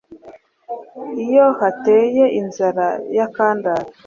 iyo hateye inzara y’akandare.